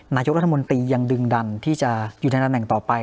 นายกรัฐมนตรียังดึงดันที่จะอยู่ในตำแหน่งต่อไป